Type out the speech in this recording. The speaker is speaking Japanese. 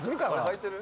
はいてる？